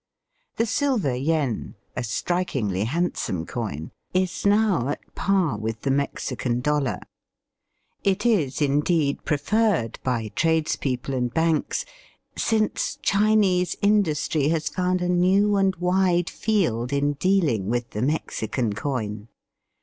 The silver yen, a strikingly handsome coin, is now at par with the Mexican dollar. It is, indeed, preferred by tradespeople and banks, since Chinese industry has found a new and wide field in dealing with the Mexican coin.